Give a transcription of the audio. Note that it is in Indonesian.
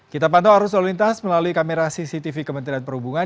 kita pantau arus lalu lintas melalui kamera cctv kementerian perhubungan